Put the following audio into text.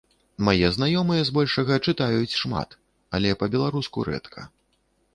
Мае знаёмыя збольшага чытаюць шмат, але па-беларуску рэдка.